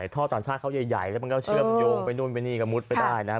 ท่อต่างชาติเขาใหญ่แล้วมันก็เชื่อมโยงไปนู่นไปนี่ก็มุดไปได้นะครับ